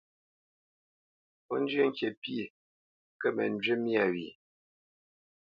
Ó zhyə́ ŋkǐ pyé, kə mə njyé myâ wyê.